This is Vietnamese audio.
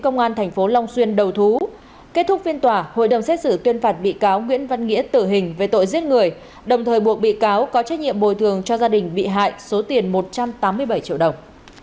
nguyễn văn nghĩa tử hình về tội giết người đồng thời buộc bị cáo có trách nhiệm bồi thường cho gia đình bị hại số tiền một trăm tám mươi bảy triệu đồng